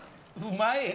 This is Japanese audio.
うまい？